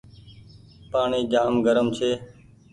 پآڻيٚ جآم گرم ڇي۔